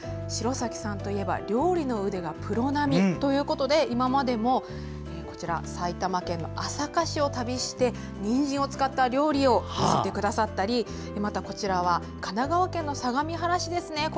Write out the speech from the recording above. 城咲さんといえば料理の腕がプロ並みということで今までも埼玉県朝霞市を旅してにんじんを使った料理を作ってくださったりまた、こちらは神奈川県の相模原市ですね。